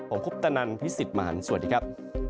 ผมคุปตะนันพี่สิทธิ์มหันฯสวัสดีครับ